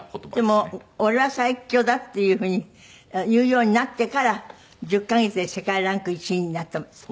でも「オレは最強だ！」っていう風に言うようになってから１０カ月で世界ランク１位になったんですって？